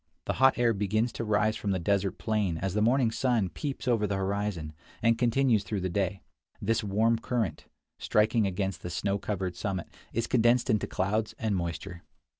The hot air begins to rise from the desert plain as the morning sun peeps over the horizon, and continues through the day; this warm current, striking against the snow covered summit, is condensed into clouds and moisture.